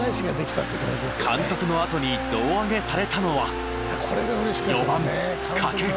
監督のあとに胴上げされたのは４番掛布。